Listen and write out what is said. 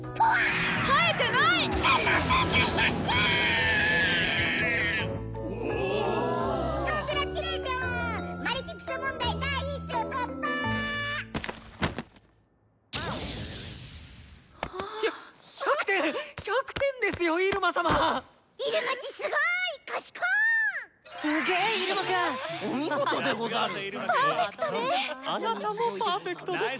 あなたもパーフェクトです。